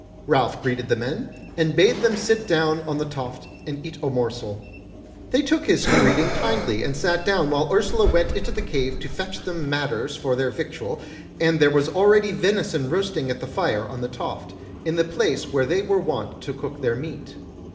Ralph greeted the men, and bade them sit down on the toft and eat a morsel; they took his greeting kindly, and sat down, while Ursula went into the cave to fetch them matters for their victual, and there was already venison roasting at the fire on the toft, in the place where they were wont to cook their meat.